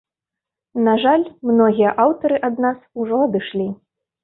На жаль, многія аўтары ад нас ужо адышлі.